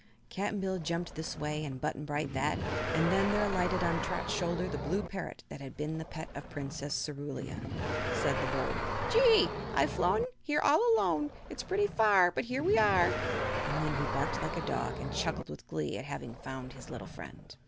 Cap'n Bill jumped this way and Button Bright that, and then there alighted on Trot's shoulder the blue parrot that had been the pet of the Princess Cerulia. Said the bird: "Gee! I've flown Here all alone. It's pretty far, But here we are!" and then he barked like a dog and chuckled with glee at having found his little friend.